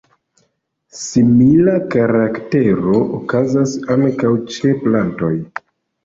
Simila karaktero okazas ankaŭ ĉe plantoj.